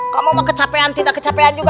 kamu mau kecapean atau tidak